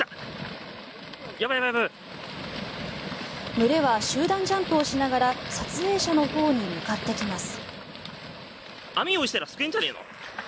群れは集団ジャンプをしながら撮影者のほうに向かってきます。